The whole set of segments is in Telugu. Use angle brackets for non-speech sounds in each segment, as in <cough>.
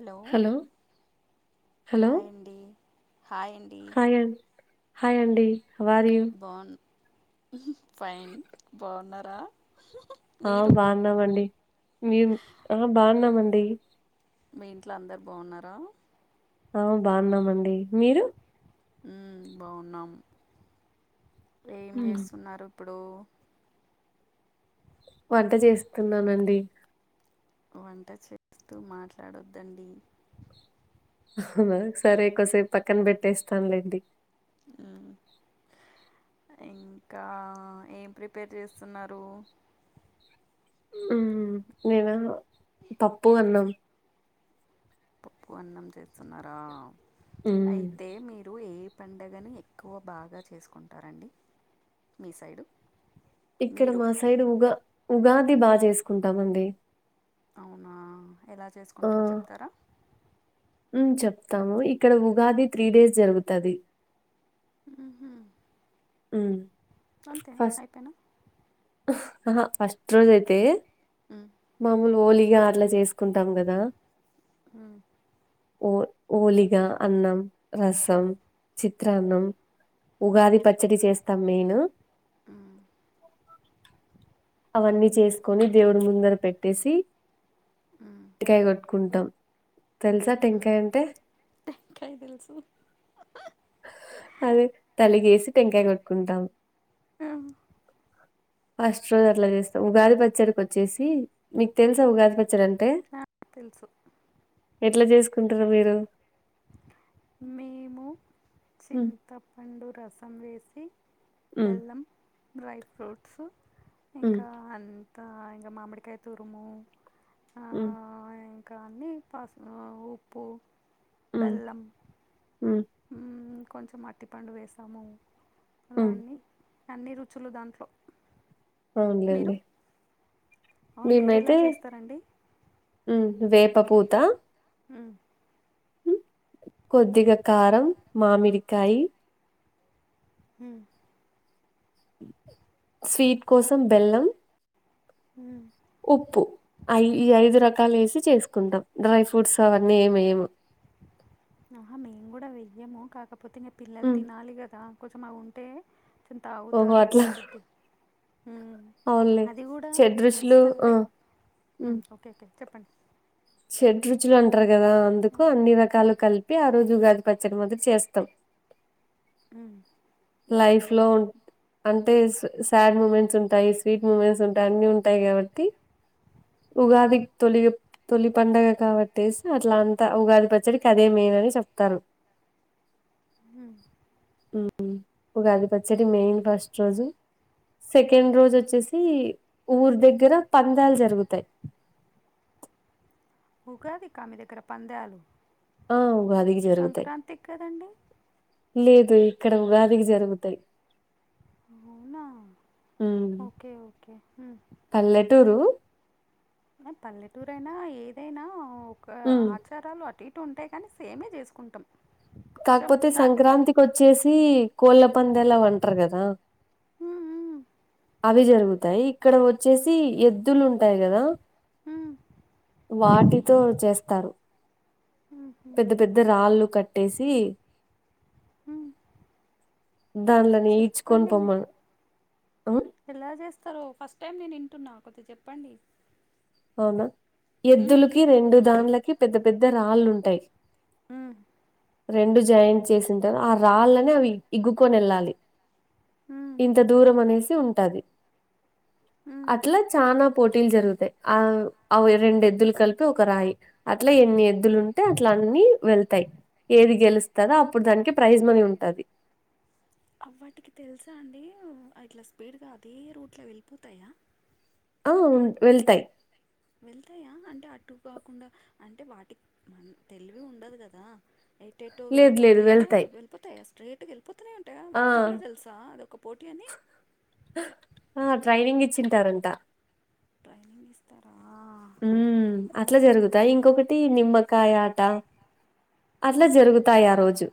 Hello hello! హాయ్ అండి హాయ్ అండి హాయ్ అం హాయ్ అండి హౌ ఆర్ యు బావున్న ఫైన్ బావున్నారా ఆ బావున్నామండి మీము ఆ బావున్నామండి మీ ఇంట్ల అందరు బావున్నారా ఆ బావున్నామండి మీరు ఉమ్మ్ బావున్నాం ఏం హ్మ్. చేస్తున్నారు ఇప్పుడు వంట చేస్తున్నానండి వంట చేస్తూ మాట్లాడొద్దండి అహ్ నా సరే కొసేప్ పక్కన బెట్టేస్తానులేండి ఉహ్ ఇంకా ఏం ప్రిపేర్ చేస్తున్నారు ఉహ్మ్ నేనా పప్పు అన్నం పప్పు అన్నం చేస్తున్నారా హ్మ్. అయితే మీరు ఏ పండగని ఎక్కువ బాగా చేసుకుంటారండి మీ సైడు ఇక్కడ మీరు మా సైడ్ ఉగా ఉగాది బా చేసుకుంటామండి అవునా ఎలా చేసుకుంటరో చెప్తారా ఉమ్ చెప్తాము ఇక్కడ ఉగాది త్రీ డేస్ జరుగుతది ఊహు హ్మ్. అంతే అయిపోయినా అహ ఫస్ట్ రోజయితే హ్మ్ మామూలుగా ఒలీగా అట్లా చేసుకుంటాం గదా హుమ్ ఓ ఓలిగా అన్నం రసం చిత్రాన్నం హ్మ్. ఉగాది పచ్చడి చేస్తా మేను హ్మ్ అవన్నీ చేసుకొని దేవుడు ముందర పెట్టేసి హ్మ్. టెంకాయ గొట్టుకుంటాం తెలుసా హ్మ్. టెంకాయ్ అంటే టెంకాయ తెలుసు అదే తలిగేసి టెంకాయ్ గొట్టుకుంటాం ఆ ఫస్ట్ రోజ్ అట్లా చేస్తా ఉగాది పచ్చడికొచ్చేసి మీక్ తెలుసా ఉగాది పచ్చడంటే ఆ! తెలుసు ఎట్ల జేసుకుంటరు మీరు మేము ఉమ్, సింతపండు రసం వేసి ఉమ్, బెల్లం డ్రై ఫ్రూట్స్ ఉమ్, ఇంకా అన్ కా ఇంగ మామిడికాయ తురుము అ ఉ ఆ ఇంకాన్నీ పస్ ఉప్పు బెల్లం ఉం ఊమ్ కొంచెం అర్టిపండు వేసాము అలా ఉమ్. అన్నీ అన్నీ రుచులు దాంట్లో మీరు అవునులేండి అవును మీరు ఎలా మేమైతే చేస్తారండి ఉమ్ వేప పూత హుమ్ కొద్దిగ కారం మామిడికాయి హు స్వీట్ కోసం బెల్లం ఉ ఉప్పు అఐ ఈ ఐదు రకాలు ఏసి చేసుకుంటాం డ్రై ఫ్రూట్స్ అవన్నీ ఏమి వెయ్యం ఆహా మేము కూడా వెయ్యము కాకపోతే ఇంక పిల్లలు ఉమ్ తినాలి కదా కొంచెం అ ఉంటే ఓహో తాగుతారు అట్లా వద్ అవునులే అది కూడా షడ్ రుచులు ఆ ఈసారే ఉ ఓకే ఓకే చెప్పు షడ్రుచులు అంటరు కదా అందుకు ఉమ్ అన్ని రకాలు కలిపి ఆ రోజు ఉగాది పచ్చడి మాదిరి చేస్తాం ఉ లైఫ్లో అంటే సాడ్ మూమెంట్స్ ఉంటాయి స్వీట్ మూమెంట్స్ ఉంటా అన్ని ఉంటాయి కాబట్టి ఉగాది తొలి తొలి పండగ కాబట్టేసి అట్లా అంతా ఉగాది పచ్చడికి అదే మేయిన్ అని చెప్తారు ఉమ్ ఉమ్ ఉగాది పచ్చడి మెయిన్ ఫస్ట్ రోజు ఉమ్. సెకండ్ రోజు వచ్చేసి ఊరి దగ్గర పందాలు జరుగుతాయి ఉగాదిక మీ దగ్గర పందాలు ఆ ఉగాది సంక్రాంతికి కదండి లేదు ఇక్కడ ఉగాదికి జరుగుతయ్ అవునా ఉమ్ ఓకే ఓకే పల్లెటూరు పల్లెటూరు అయినా ఏదైనా ఒక ఆట్ ఉమ్ ఆచారాలు అటు ఇటు ఉంటాయ్ కానీ సేమే చేసుకుంటాం చం కాకపోతే దాన్ని సంక్రాంతికి వచ్చేసి కోళ్ల పందాలు అవి అంట్ర కదా ఉహు అవి జరుగుతాయ్ ఇక్కడ వచ్చేసి ఎద్దులు ఉంటాయి కదా ఉ వాటితో చేస్తారు ఉమ్, ఉమ్, పెద్ద పెద్ద రాళ్ళు కట్టేసి ఉమ్. దాన్లనే ఈడ్చుకొని చెప్పండి పొమ్మను ఉ ఎలా జేస్తరో ఫస్ట్ టైం నేను ఇంటున్నా కొద్దిగా చెప్పండి. అవునా ఉమ్, ఎద్దులుకి రెండు దాన్లకి పెద్ద పెద్ద రాళ్ళుంటాయి. ఊ రెండు జాయింట్ చేసింటారు ఆ రాళ్ళనే అవి ఇగ్గుకొని ఎళ్ళాలి ఉమ్, ఇంత దూరం అనేసి ఉంటాది. ఉమ్. అట్లా చానా పోటీల్ జరుగుతయి ఆ అవు రెండు ఎద్దులు కలిపి ఒక రాయి అట్ల ఎన్ని ఎద్దులు ఉంటే అట్లా అన్ని వెళ్తాయి. ఏది గెలుస్తదో అప్పుడు దానికి ప్రైజ్ మనీ ఉంటది. అ వాటికి తెలుసా అండి ఇట్లా స్పీడ్గా అదే రూట్ లో వెళ్ళిపోతాయా ఆ ఉ వెళ్తాయి. వెళ్తాయా అంటే అటు కాకుండా అంటే వాటిక్ తెలివి ఉండదు గదా ఏటేటో లేదు లేదు వెళ్ళిపోతాయా వెళ్తాయి వెళ్ళితాయా స్ట్రైట్ గా ఎళ్ళిపోతునే ఉంటాయా ఆ వాటికి గుడ తెలుసు ఆ అదొక పోటీ అని ఆ ఆ ట్రైనింగ్ ఇచ్చింటారంటా ట్రైనింగ్ ఇస్తారా ఆ ఉ అట్లా జరుగుతాయి ఇంకొకట్ టి నిమ్మకాయ ఆట అట్లా మ్మ్. జరుగుతాయి ఆ రోజు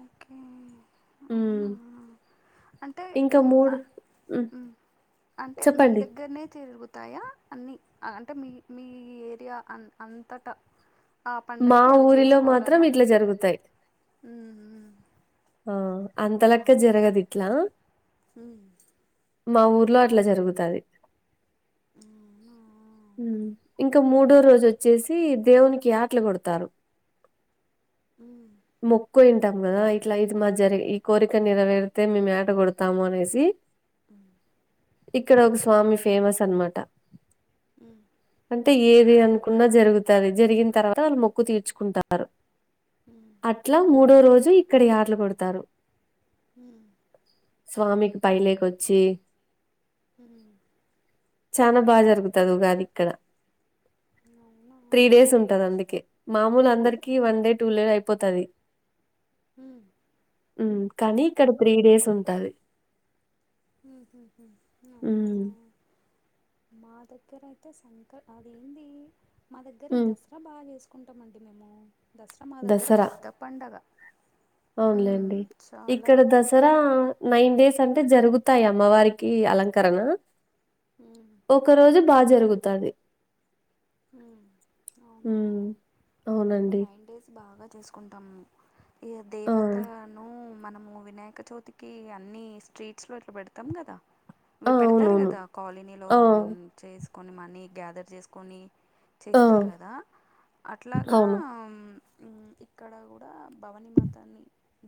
ఓకే ఉమ్ అవునా! అంటే ఇంకా మ్, ఆ, మూడు ఉ మ్, అంటే మీ దగ్గరనే తిరుగుతాయా అన్నీ అంటే మీ మీ ఏరియా అన్ అంతటా ఆ మా పండక్కి అవి ఊరిలో మాత్రం జేసుకోవాలనా ఇట్లా జరుగుతాయి ఆ అంతలక్క జరగదు ఇట్లా ఉమ్ మా ఊర్లో అట్ల జరుగుతాది అవునా ఊ ఇంక మూడో ఏ రోజు వోచ్చేసి కీ దేవునికి యాటలు కొడతారు ఉమ్ మొక్కు ఇంటామ్ గదా ఐతే ఇట్లా ఇది మా జరిగే అవునవును ఈ కోరిక నెరవేరితే మేము యాట గొడుతాము అనేసి ఉమ్ ఇక్కడ ఒక స్వామి ఫేమస్ అన్మాట ఊ అంటే ఏది అనుకున్నా జరుగుతాది జరిగిన తర్వాత వాళ్ళు మొక్కు తీర్చుకుంటారు. అట్లా మూడో రోజు ఇక్కడి యాటలు గొడుతారు ఊ స్వామికి పైలేక ఒచ్చి ఉ.. ఉ.. ఊ చానా బా జరుగుతాది ఉగాధిఇక్కడ అవునా త్రీ డేస్ ఉంటది అందుకే మామూలు అందరికి వన్ డే టూ లే అయిపోతాది. ఊ కానీ ఇక్కడ త్రీ డేస్ ఉంటాది. ఊ ఉ ఉ ఊ హ్మ్. మా దగ్గరైతే సంకల్ అదేంది. మా దగ్గర హ్మ్. దసరా బాగ చేసుకుంటామండి మేము దసరా మా దగ్గర దసరా పెద్ద పండగ ఉమ్ అవునులేండి. చాలా ఇక్కడ పెద్ద దసరా! పండగ నైన్ డేస్ అంటే జరుగుతాయి అమ్మవారికి అలంకరణ ఉమ్ ఒక రోజు బా జరుగుతది అవునా హ్మ్. మేము అవునండి. నైన్ డేస్ బాగ చేసుకుంటాము ఈ ఆ! దేవతను మనము వినాయక <unintelligible> <unintelligible> అన్ని స్ట్రీట్స్ లో ఇట్ల పెడతాం కదా ఆ! ఇవి పెడతారు అవునవును. కదా కాలనీలో ఆ! అ చేసుకొని మనీ గ్యాదర్ చేసుకొని ఆ! చేస్తారు కదా అట్లగా అవును. ఇక్కడ కూడ భవనీ మాతని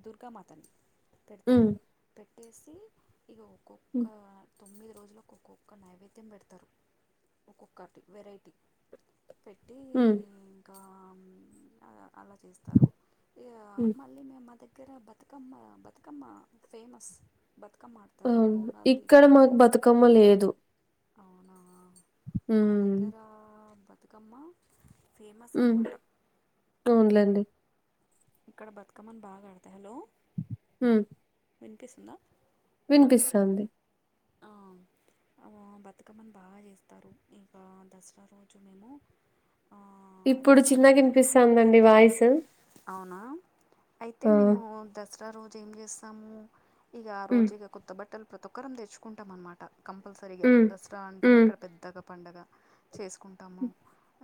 దుర్గామాతని పెడతారు హ్మ్. పెట్టేసి ఇగ ఒక్కొక్క హ్మ్. తొమ్మిది రోజులుకు ఒక్కొక్క నైవేద్యం పెడతారు ఒక్కొక్కటి వెరైటీ పెట్టి హ్మ్. ఇంక అలా చేస్తారు ఇగ హ్మ్. మళ్ళీ మేము మా దగ్గర బతుకమ్మ బతుకమ్మ ఫేమస్ బతుకమ్మ ఆడు <unintelligible> అ ఇక్కడ మాకు బతుకమ్మ లేదు అవునా మా హ్మ్. దగ్గర బతుకమ్మ ఫేమస్ హ్మ్. అనమాట అవునులేండి ఇక్కడ బతుకమ్మని బాగ ఆడతాయ్ హు వినిపిసుంద వినిపిస్థాంది అ బతుకమ్మని బాగ చేస్తారు ఇంకా దసరా రోజు నేమో ఇప్పుడు చిన్నగ ఇనిపిస్తంది అండి వాయిసు అవునా అయితే మేము దసర రోజు ఏం చేస్తాము ఇగ ఆ ఉమ్ రోజు ఇగ కొత్త బట్టలు ప్రతి ఒక్కరం తెచ్చుకుంటాం అనమాట కంపల్సరిగా ఉమ్ దస్ <unintelligible> ఉమ్ ఇక్కడ పెద్దగ పండగ చేసుకుంటాము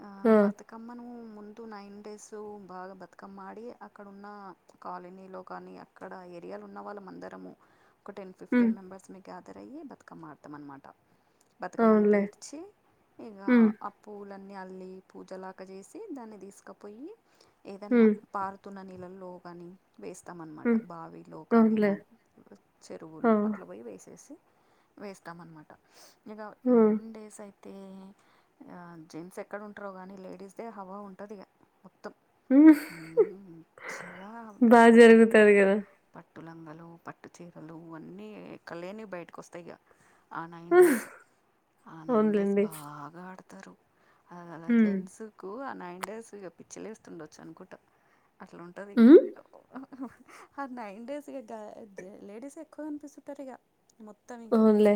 ఆ బత్ కమ్మను ముందు నైన్ డేస్ సో బాగ బతుకమ్మ ఆడి అక్కడ ఉన్న కాలనీ లో కానీ అక్కడ ఏరియాలో ఉన్న వాళ్ళం అన్ ఒక టెన్ ఉమ్ ఫిఫ్టీన్ మెంబర్స్ మీ గ్యాదర్ అయ్యి బతుకమ్మ ఆడతాం అనమాట బతుకమ్మని అవునులే పేర్చి ఇగ ఉమ్ అ <unintelligible> పూలన్నీ అల్లి పూజలాగ చేసి దాన్ని తీసుకపోయి ఏదన్న ఉమ్ పారుతున్న నీలల్లో కాని వేస్తామన్నమాట ఉమ్ బావిలో కానీ అవునులే నా చెరువులు ఆ అట్ల పోయి వేసేసి వేస్తాం అనమాట ఇగ ఉమ్ నైన్ డేస్ అయి తే జెంట్స్ ఎక్కడ ఉంటారో కానీ లేడీస్దే హవ ఉంటది ఇగ మొత్తం ఉమ్ మంచిగా బాగా డ్రెస్సెసు జరుగుతది కదా పట్టు లంగలు పట్టు చీరలు అన్నీ ఎక్కలేనివి బయటకు వస్తాయి ఇగ ఆ నైన్ డేస్ ఆ నైన్ డేస్ అవునులేండి బాగ ఆడతారు అల ఉమ్ జెంట్స్కు ఆ నైన్ డేస్ ఇగ పిచ్చ లేస్తుండోచ్చు అనుకుంట అట్ల ఉంటది ఉమ్ ఆ నైన్ డేస్ ఇగ లేడిస్ ఎక్కువ కనిపిస్తుంటారిగ మొత్తం ఇంక అవునులే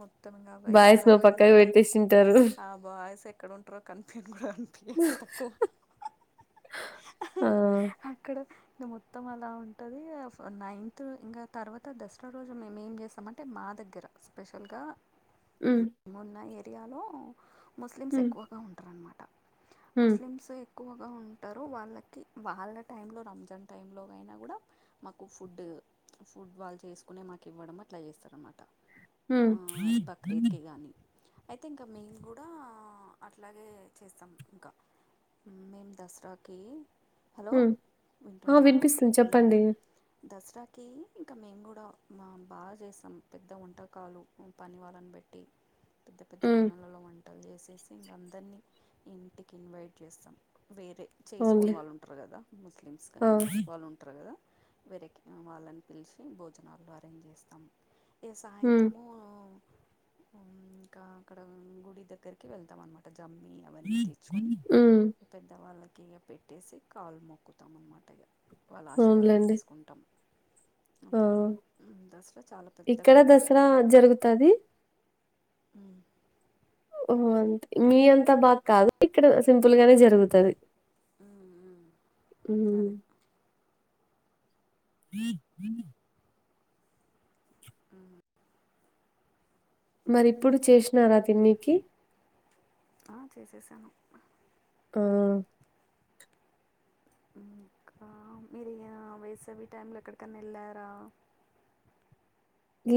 మొత్తం <unintelligible> బాయ్స్ నువ్వు హడావిడులు పక్కకు ఉట్టాయి పెట్టేసింటారు ఆ బాయ్స్ <unintelligible> ఎక్కడ ఉంటారో కనిపిను కూడ కన్పియార్ తక్కువ ఆ అక్కడ <unintelligible> మొత్తం అలా ఉంటది నైన్త్ ఇంక తర్వాత దసర రోజు మేము ఏం చేస్తామంటే మా దగ్గర స్పెషల్గా ఉమ్ మేమున్న ఏరియాలో ముస్లిమ్స్ ఉమ్ ఎక్కువగా ఉంటారన్నమాట ఉమ్ ముస్లిమ్స్ ఎ గా ఉంటారు వాళ్ళకి వాళ్ళ టైం లో రంజాన్ టైం లో అయినా కూడా మాకు ఫుడ్ ఫుడ్ వాళ్ళు చేసుకునే మాకు ఇవ్వడం అట్లా చేస్తారన్నమాట ఆ ఉమ్ బక్రీద్కి గానీ అయితే ఇంకా మేము కూడా అట్లాగే చేస్తాం ఇంకా మేము దసరాకి హలో ఉమ్ ఆ వింటున్నావా వినిపిస్తుంది ఉ చెప్పండి దసరాకి ఇంకా మేము కూడా మా బాగా చేస్తాం పెద్ద వంటకాలు పని వాళ్ళని బేట్టి పెద్ద పెద్ద ఉమ్ గిన్నెలలో వంటలు చేసేసి ఇంక అందరినీ ఇంటికి ఇన్వైట్ చేస్తాం వేరే చేసుకొని అవునులే వాళ్ళు ఉంటారు కదా ముస్లిమ్స్ ఆ కానీ వాళ్ళు ఉంటారు కదా వెరకి వాళ్ళని పిలిచి భోజనాలు అరేంజ్ చేస్తాము ఇగ ఉమ్ సాయంత్రము ఇంకా అక్కడ గుడి దగ్గరికి వెళ్తాం అనమాట జమ్మి అవన్నీ తెచ్చుకొని ఉ పెద్దవాళ్ళకి ఇ పెట్టేసి కాలు మొక్కుతాం అన్నమాట ఇక వాళ్ళ ఆశీర్వాదం అవునులేండి తీసుకుంటాం ఆ అట్లా దసరా చాలా పెద్దగా ఇక్కడ చేస్తాము దసరా జరుగుతది ఊ ఓ అంతే మీ అంతా బాగా కాదు ఇక్కడ సింపుల్ గానే జరుగుతది ఊ ఊ ఊ ఉహు మరి ఇప్పుడు చేసినారా తినికి ఆ చేసేసాను ఆ ఇంకా మీరు ఆ వేసేవి టైం లో ఎక్కడికైనా వెళ్ళారా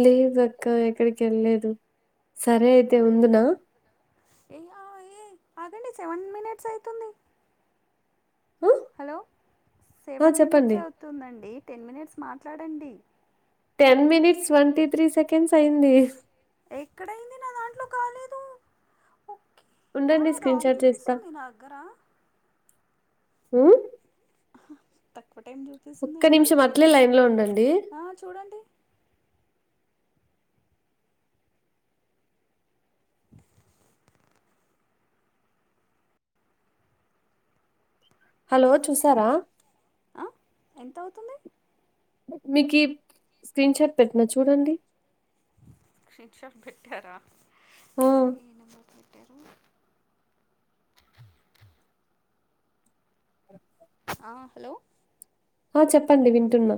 లేదక్క ఎక్కడికి వెళ్ళలేదు సరే అయితే ఉందునా ఏ ఆ ఏ ఆగండి సెవెన్ మినిట్స్ అవుతుంది ఆ హలో ఆ, సెవెన్ మినిట్స్ చెప్పండి అవుతుందండి టెన్ మినిట్స్ మాట్లాడండి ten minutes twenty three seconds అయ్యింది ఎక్కడైంది నా దాంట్లో కాలేదు ఓకే ఆ ఉండండి స్క్రీన్ రాంగ్ షాట్ చేస్తా చూపిస్తుంది నా దగ్గరా ఉ హ తక్కువ టైం ఒక్క చూపిస్తుందండి నా నిమిషం దగ్గర అట్లే లైన్ లో ఉండండి ఆ చూడండి <inaudible> హలో చూసారా ఆ ఎంత అవుతుంది మీకి స్క్రీన్ షాట్ పెట్టినా చూడండి షేక్ షాప్ పెట్టారా ఆ ఏ నెంబర్ కి పెట్టారు అ ఆ హలో ఆ చెప్పండి వింటున్నా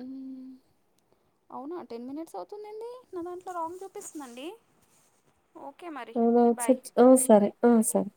ఉ అవునా టెన్ మినిట్స్ అవుతుంది ఏంది నా దాంట్లో రాంగ్ చూపిస్తుంది అండి అ ఆ సరే ఆ సరే